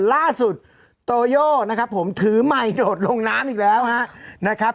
ล่าสุดโตโย่นะครับผมถือใหม่โดดลงน้ำอีกแล้วฮะนะครับ